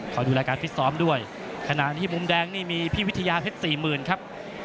ดูแลการฟิตซ้อมด้วยขณะที่มุมแดงนี่มีพี่วิทยาเพชรสี่หมื่นครับ